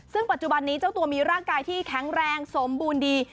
ซึ่งปัจจุบันนี้เจ้าตัวมีร่างกายที่แข็งแรงสมบูรณ์ดี